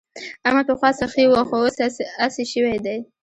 احمد پخوا سخي وو خو اوس اسي شوی دی.